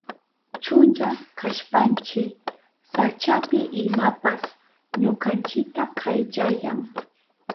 Chunlla kashpanchi sachapi imapas ñukanchita kayllayan.